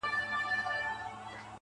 چي زه به څرنگه و غېږ ته د جانان ورځمه